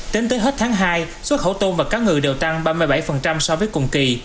tính tới hết tháng hai xuất khẩu tôm và cá ngừ đều tăng ba mươi bảy so với cùng kỳ